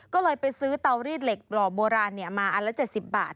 ก็เลยไปซื้อเตารีดเหล็กหล่อโบราณมาอันละ๗๐บาท